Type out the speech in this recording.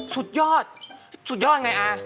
สุดยอดสุดยอดไงอา